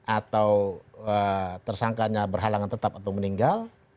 atau tersangkanya berhalangan tetap atau meninggal